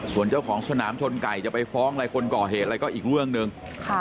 ส่วนเจ้าของสนามชนไก่จะไปฟ้องอะไรคนก่อเหตุอะไรก็อีกเรื่องหนึ่ง